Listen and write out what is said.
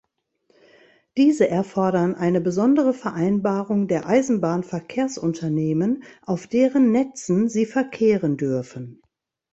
Diese erfordern eine besondere Vereinbarung der Eisenbahnverkehrsunternehmen, auf deren Netzen sie verkehren dürfen.